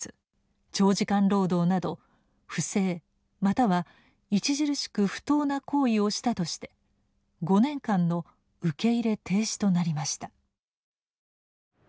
長時間労働など「不正又は著しく不当な行為をした」として５年間の受け入れ停止となりました。